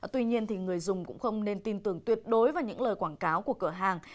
tuy nhiên người dùng cũng không nên tin tưởng tuyệt đối vào những lời quảng cáo của cửa hàng